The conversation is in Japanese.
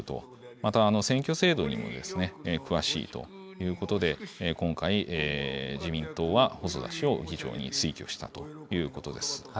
また選挙制度にも詳しいということで、今回、自民党は細田氏を議長に推挙したということです。